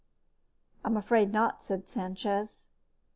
"I'm afraid not," said Sanchez.